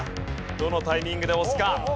どのタイミングで押すか？